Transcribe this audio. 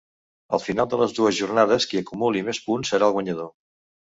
Al final de les dues jornades qui acumuli més punts serà el guanyador.